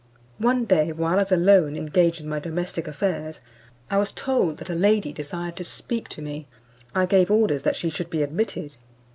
One day, while I was alone engaged in my domestic affairs, I was told that a lady desired to speak to me. I gave orders that she should be admitted.